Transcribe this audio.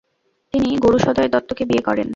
তিনি গুরুসদয় দত্তকে বিয়ে করেন।